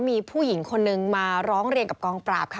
มีผู้หญิงคนนึงมาร้องเรียนกับกองปราบค่ะ